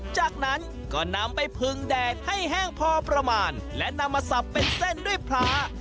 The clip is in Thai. จากนั้นก็นำไปพึงแดดให้แห้งพอประมาณและนำมาสับเป็นเส้นด้วยพระ